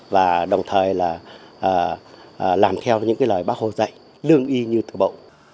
và đồng thời là làm theo những lời bác hồ dạy lương y như từ bộ